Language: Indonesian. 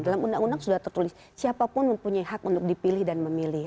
dalam undang undang sudah tertulis siapapun mempunyai hak untuk dipilih dan memilih